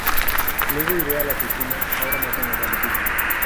Luego iré a la piscina. Ahora no tengo ganas.